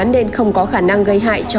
nên không có khả năng gây hại cho người